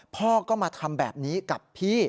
พ่อก็มาทำแบบนี้กับพี่